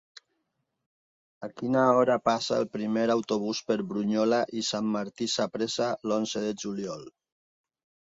A quina hora passa el primer autobús per Brunyola i Sant Martí Sapresa l'onze de juliol?